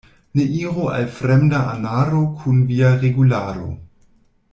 Ne iru al fremda anaro kun via regularo.